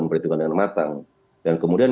memperhitungkan dengan matang dan kemudian